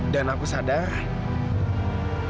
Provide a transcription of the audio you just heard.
dan aku sadar